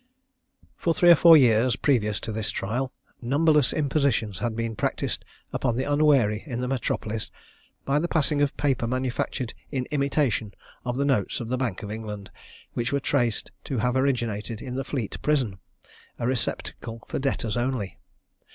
For three or four years previous to this trial, numberless impositions had been practised upon the unwary in the metropolis, by the passing of paper manufactured in imitation of the notes of the Bank of England, which were traced to have originated in the Fleet Prison, a receptacle for debtors only.